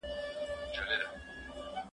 که څوک بې عزتي وکړي، ټولنه زيان ويني.